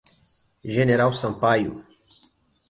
General Sampaio